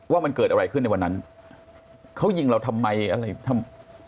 ว่ามันเกิดอะไรขึ้นในวันนั้นเขายิงเราทำไมอะไรทำ